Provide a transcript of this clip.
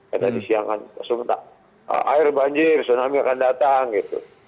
karena di siang kan langsung tak air banjir tsunami akan datang gitu